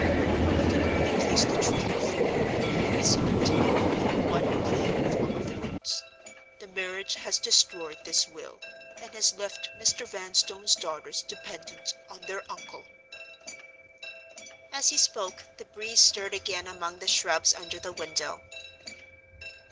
"I can only place the truth before you," he resumed, "in one plain form of words. The marriage has destroyed this will, and has left Mr. Vanstone's daughters dependent on their uncle." As he spoke, the breeze stirred again among the shrubs under the window.